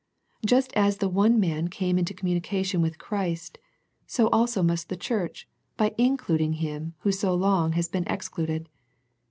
Just as the one man came into communication with Christ, so also must the church by includ ing Him Who so long has been excluded.